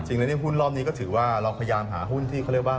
ในหุ้นรอบนี้ก็ถือว่าเราพยายามหาหุ้นที่เขาเรียกว่า